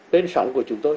tên sóng của chúng tôi